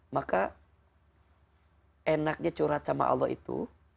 maka enaknya curhat sama allah itu